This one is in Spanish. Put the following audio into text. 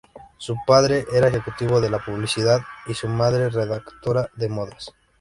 Su padre era ejecutivo de la publicidad y su madre, redactora de modas.